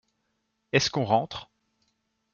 Est-ce qu’on rentre ?